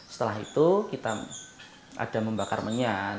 setelah itu kita ada membakar menyan